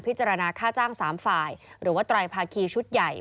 จารณค่าจ้าง๓ฝ่ายหรือว่าไตรภาคีชุดใหญ่